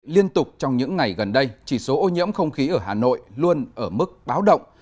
liên tục trong những ngày gần đây chỉ số ô nhiễm không khí ở hà nội luôn ở mức báo động